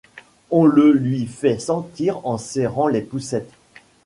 On le lui fait sentir en serrant les poucettes.